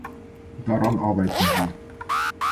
Daran arbeiten wir.